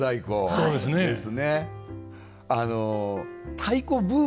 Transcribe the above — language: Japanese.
そうですね。